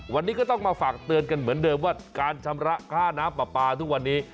วันนี้ก็ต้องมาฝากเตือนกันเหมือนเดิมว่าการชำระค่าน้ำปลาปลาทุกวันนี้